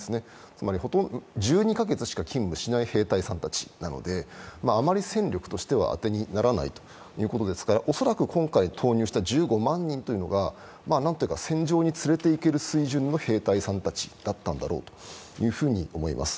つまり、１２カ月しか勤務しない兵隊さんたちなので、あまり戦力としては当てにならないということですから、恐らく今回、投入した１５万人というのが戦場に連れていける水準の兵隊さんたちだったんだろうと思います。